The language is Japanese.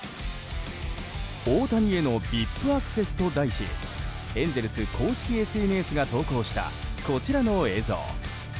「オオタニへのＶＩＰアクセス」と題しエンゼルス公式ＳＮＳが投稿したこちらの映像。